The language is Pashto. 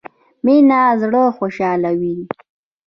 مينه زړه خوشحالوي